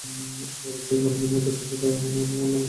এত বড় পুলিশ বাহিনীর মধ্যে, তো শুধু আমার নাম কেন?